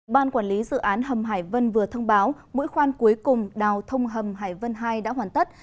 ban quản lý dự án hầm hải vân vừa thông báo mũi khoan cuối cùng đào thông hầm hải vân hai đã hoàn tất